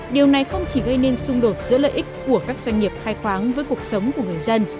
điều này không chỉ gây nên xung đột giữa lợi ích của các doanh nghiệp khai khoáng với cuộc sống của người dân